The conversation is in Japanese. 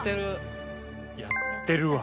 やってるわ。